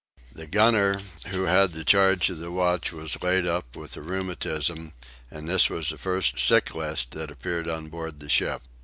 The gunner who had the charge of a watch was laid up with the rheumatism: and this was the first sicklist that appeared on board the ship.